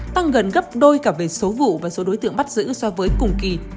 tăng gần gấp đôi cả về số vụ và số đối tượng bắt giữ so với cùng kỳ